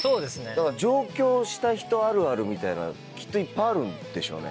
だから上京した人あるあるみたいなのきっといっぱいあるんでしょうね。